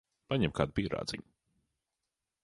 Paņem kādu pīrādziņu.